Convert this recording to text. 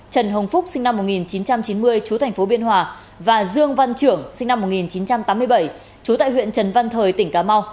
trần hồng phúc sinh năm một nghìn chín trăm chín mươi chú thành phố biên hòa và dương văn trưởng sinh năm một nghìn chín trăm tám mươi bảy trú tại huyện trần văn thời tỉnh cà mau